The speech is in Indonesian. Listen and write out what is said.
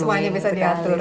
semuanya bisa diatur